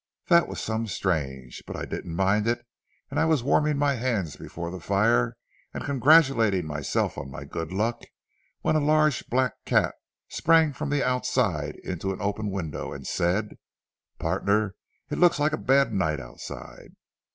That was some strange, but I didn't mind it and I was warming my hands before the fire and congratulating myself on my good luck, when a large black cat sprang from the outside into an open window, and said: 'Pardner, it looks like a bad night outside.'